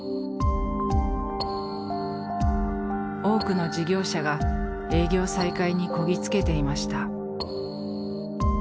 多くの事業者が営業再開にこぎつけていました。